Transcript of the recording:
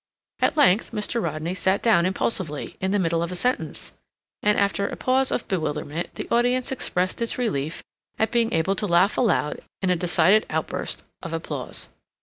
At length Mr. Rodney sat down impulsively in the middle of a sentence, and, after a pause of bewilderment, the audience expressed its relief at being able to laugh aloud in a decided outburst of applause.